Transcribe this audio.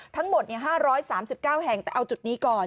ทั้งหมด๕๓๙แห่งแต่เอาจุดนี้ก่อน